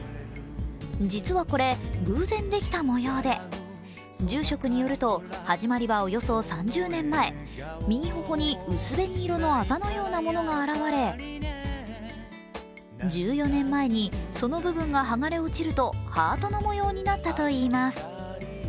実はこれ偶然できた模様で住職によると始まりはおよそ３０年前右頬に薄紅色のあざのようなものが現れ、１４年前にその部分が剥がれ落ちるとハートの模様になったといいます。